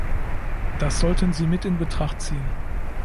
Das sollten Sie mit in Betracht ziehen.